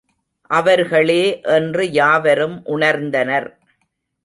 அவர்களே என்று யாவரும் உணர்ந்தனர்.